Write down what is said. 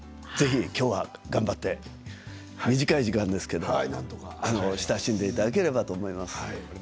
ぜひ、きょうは頑張って短い時間ですけれど親しんでいただければと思います。